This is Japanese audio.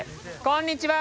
こんにちは！